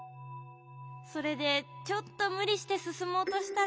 それでちょっとむりしてすすもうとしたら。